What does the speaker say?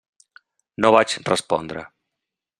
No vaig respondre.